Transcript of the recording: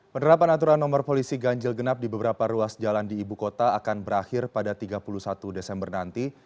penerapan aturan nomor polisi ganjil genap di beberapa ruas jalan di ibu kota akan berakhir pada tiga puluh satu desember nanti